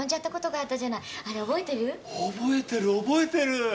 覚えてる覚えてる。